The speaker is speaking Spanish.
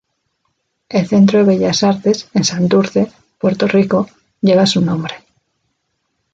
El Centro de Bellas Artes, en Santurce, Puerto Rico, lleva su nombre.